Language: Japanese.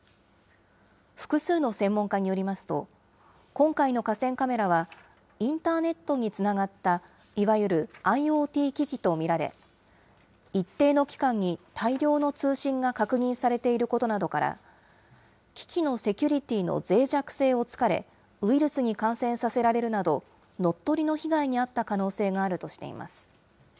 複数の専門家によりますと、今回の河川カメラは、インターネットにつながったいわゆるＩｏＴ機器と見られ、一定の期間に大量の通信が確認されていることなどから、機器のセキュリティーのぜい弱性をつかれ、ウイルスに感染させられるなど、乗っ取りの被害に遭った可能性があるとしています。